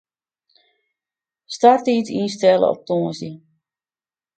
Starttiid ynstelle op tongersdei.